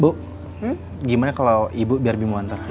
bu gimana kalau ibu biar bimu antar